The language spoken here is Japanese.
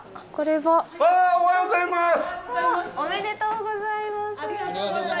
おめでとうございます。